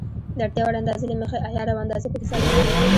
د اړتیا وړ اندازې له مخې عیار او اندازه پکې ساتل کېږي.